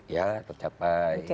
ya tercapai gitu ya